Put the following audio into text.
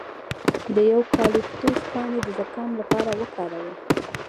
د یوکالیپټوس پاڼې د زکام لپاره وکاروئ